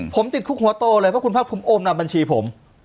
ผมติดคุกหัวโตเลยเพราะคุณภาคภูมิโอนนำบัญชีผม